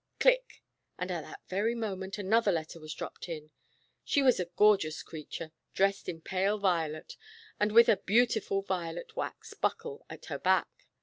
"Click," and at that ver} moment another letter w^as dropped in. She was a gorgeous creature, dressed in pale violet, and with a beau tiful violet wax buckle at her back.